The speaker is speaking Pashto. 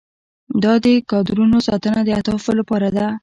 دا د کادرونو ساتنه د اهدافو لپاره ده.